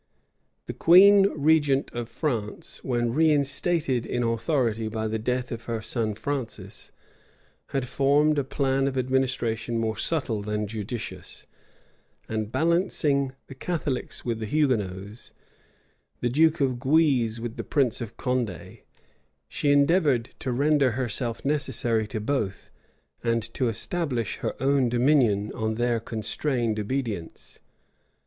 The queen regent of France, when reinstated in authority by the death of her son Francis, had formed a plan of administration more subtle than judicious; and balancing the Catholics with the Hugonots, the duke of Guise with the prince of Condé, she endeavored to render herself necessary to both, and to establish her own dominion on their constrained obedience.